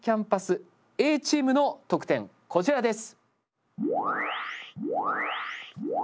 Ａチームの得点こちらです。